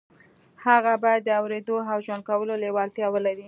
هغه بايد د اورېدو او ژوند کولو لېوالتیا ولري.